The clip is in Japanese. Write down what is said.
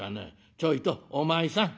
ちょいとお前さん。